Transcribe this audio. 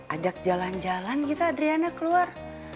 ajak jalan jalan kita adriana keluar